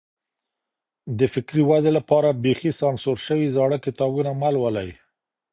د فکري ودې لپاره بېخي سانسور سوي زړه کتابونه مه لولئ.